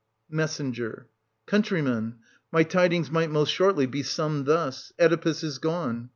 Messenger. Countrymen, my tidings might most shortly be 1580 summed thus : Oedipus is gone.